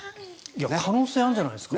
可能性あるんじゃないですか？